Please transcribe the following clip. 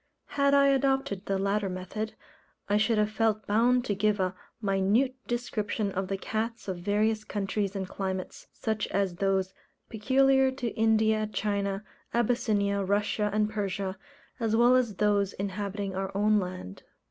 Had I adopted the latter method, I should have felt bound to give a minute description of the cats of various countries and climates, such as those peculiar to India, China, Abyssinia, Russia, and Persia, as well as those inhabiting our own land.